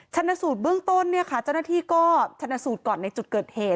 ชนะสูตรเบื้องต้นเนี่ยค่ะเจ้าหน้าที่ก็ชนะสูตรก่อนในจุดเกิดเหตุ